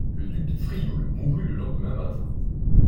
Le duc de Frioul mourut le lendemain matin.